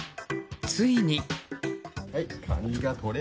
ついに。